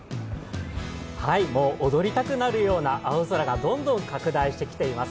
踊りたくなるような青空がどんどん拡大してきています。